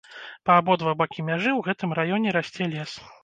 Па абодва бакі мяжы ў гэтым раёне расце лес.